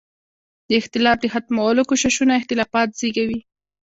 د اختلاف د ختمولو کوششونه اختلافات زېږوي.